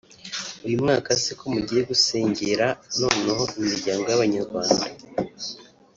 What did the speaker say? Uyu mwaka se ko mugiye gusengera noneho imiryango y’Abanyarwanda